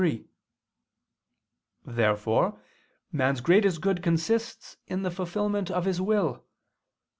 Therefore man's greatest good consists in the fulfilment of his will.